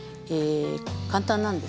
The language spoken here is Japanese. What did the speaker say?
簡単なんです。